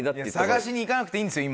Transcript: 探しに行かなくていいんですよ